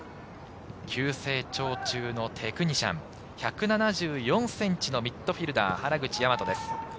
成長中のテクニシャン、１７４ｃｍのミッドフィルダー・原口和です。